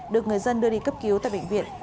được người dân đưa đi cấp cứu tại bệnh viện